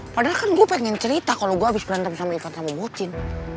padahal kan gue pengen cerita kalau gue habis berantem sama ikan sama bocin